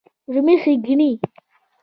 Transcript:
رومي ښېګڼې